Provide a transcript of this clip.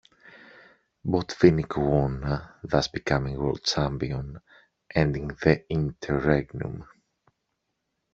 Botvinnik won, thus becoming world champion, ending the "interregnum".